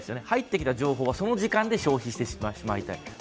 入ってきた情報はその時間で消費してしまいたい。